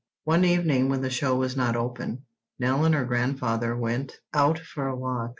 * One evening when the show was not open, Nell and her grandfather went out for a walk.